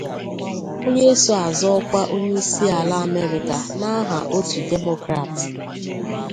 onye so azọ ọkwa onye isi ala Amerịka n'aha otu Demokrat.